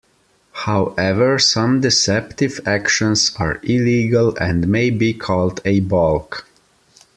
However, some deceptive actions are illegal and may be called a balk.